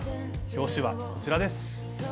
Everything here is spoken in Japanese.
表紙はこちらです。